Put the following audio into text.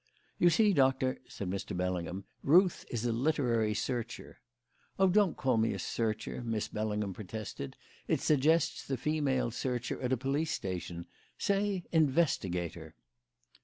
"You see, Doctor," said Mr. Bellingham, "Ruth is a literary searcher " "Oh, don't call me a 'searcher'!" Miss Bellingham protested. "It suggests the female searcher at a police station. Say investigator."